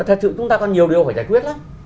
thật sự chúng ta còn nhiều điều phải giải quyết lắm